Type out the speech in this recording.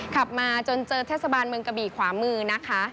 ขับมาจนเจอเทศบาลเมืองกะบี่ขวามือนะคะ